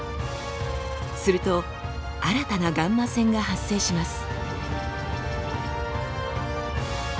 すると新たなガンマ線が発生します。